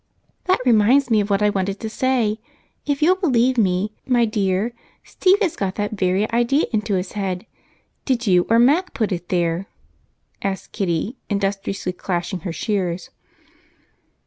"That reminds me of what I wanted to say. If you'll believe me, my dear, Steve has got that very idea into his head! Did you or Mac put it there?" asked Kitty, industriously clashing her shears.